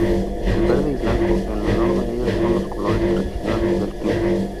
El verde y blanco, en menor medida, son los colores tradicionales del club.